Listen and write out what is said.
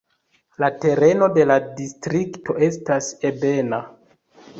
La tereno de la distrikto estas ebena.